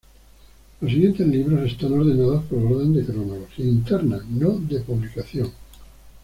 Los siguientes libros están ordenados por orden de cronología interna, no de publicación.